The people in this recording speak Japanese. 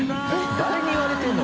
誰に言われてるの？